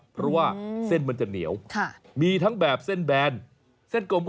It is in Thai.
เพราะว่าเส้นมันจะเหนียวมีทั้งแบบเส้นแบนเส้นกลมก็